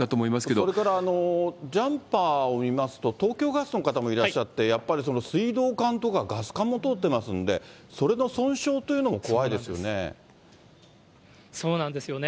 それからジャンパーを見ますと、東京ガスの方もいらっしゃって、やっぱり水道管とかガス管も通ってますんで、それの損傷というのそうなんですよね。